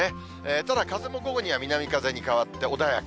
ただ、風も午後には南風に変わって穏やか。